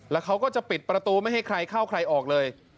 แล้วเขาก็จะปิดประตูไม่ให้ใครเข้าใครออกเลย